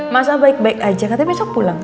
masa baik baik aja katanya besok pulang